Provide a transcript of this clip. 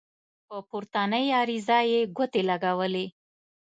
په پورتنۍ عریضه یې ګوتې ولګولې.